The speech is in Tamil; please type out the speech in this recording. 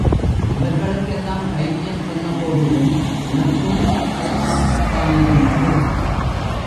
அவர்களுக்கெல்லாம் தைரியம் சொன்ன போதிலும் எனக்கும் பயமாகத்தானிருந்தது.